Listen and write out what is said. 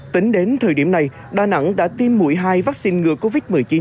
tính đến thời điểm này đà nẵng đã tiêm mũi hai vaccine ngừa covid một mươi chín